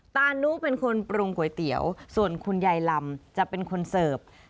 ตานุเป็นคนปรุงก๋วยเตี๋ยวส่วนคุณยายลำจะเป็นคนเสิร์ฟ